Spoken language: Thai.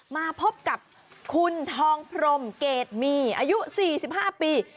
มาพบกับคุณทองพรมเกดมีอายุสี่สิบห้าปี